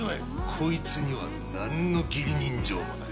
こいつには何の義理人情もない。